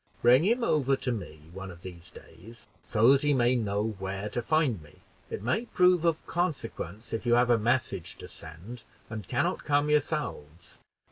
"Bring him over to me one of these days, so that he may know where to find me. It may prove of consequence if you have a message to send, and can not come yourselves."